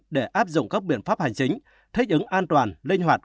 để áp dụng các biện pháp hành chính thích ứng an toàn linh hoạt